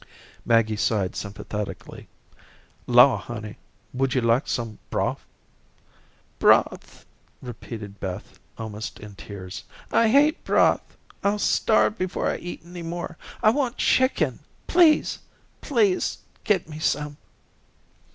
Maggie sighed sympathetically. "Law, honey, would yo' like some brof?" "Broth," repeated Beth almost in tears. "I hate broth. I'll starve before I eat any more. I want chicken. Please, please get me some."